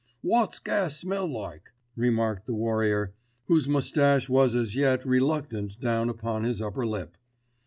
"Wot's gas smell like?" remarked the warrior, whose moustache was as yet reluctant down upon his upper lip.